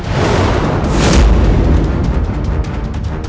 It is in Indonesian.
mungkinkah dia bukan abikara